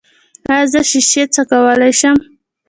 ایا زه شیشې څکولی شم؟